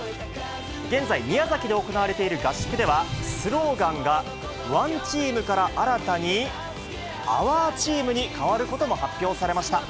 現在、宮崎で行われている合宿では、スローガンが、ＯＮＥＴＥＡＭから新たにＯｕｒＴｅａｍに変わることも発表されました。